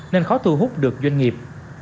nên khó thu hút được doanh nghiệp